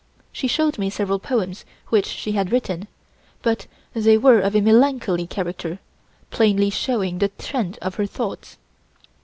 She showed me several poems which she had written, but they were of a melancholy character, plainly showing the trend of her thoughts.